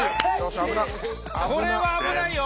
これは危ないよ！